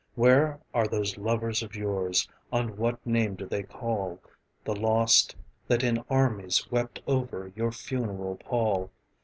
Where are those lovers of yours, on what name do they call, The lost, that in armies wept over your funeral pall?